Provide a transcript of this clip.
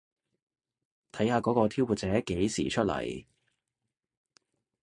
睇下嗰個挑撥者幾時出嚟